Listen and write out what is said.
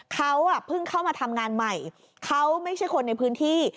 เขาเพิ่งเข้ามาทำงานใหม่เขาไม่ใช่คนในพื้นที่